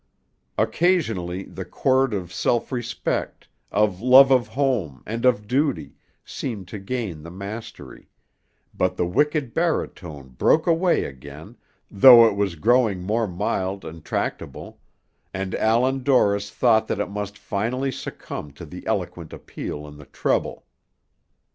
Occasionally the chord of self respect, of love of home, and of duty, seemed to gain the mastery, but the wicked baritone broke away again, though it was growing more mild and tractable, and Allan Dorris thought that it must finally succumb to the eloquent appeal in the treble.